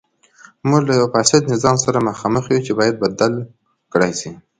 موږ له یوه فاسد نظام سره مخامخ یو چې باید بدل کړای شي.